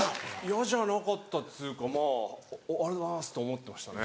嫌じゃなかったっつうかまぁ「ありがとうございます」と思ってましたね。